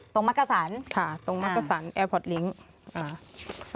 ตรงมักกะสรรค่ะตรงมักกะสรรแอตพอร์ทลิงก์อ่ะ